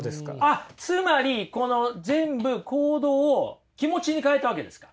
あっつまりこの全部行動を気持ちに変えたわけですか。